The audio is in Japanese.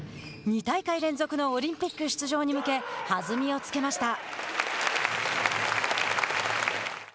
２大会連続のオリンピック出場に向け弾みをつけました。